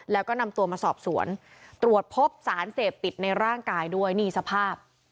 แล้วก็นำตัวมาสอบสวนตรวจพบสารเสพติดในร่างกายด้วยนี่สภาพ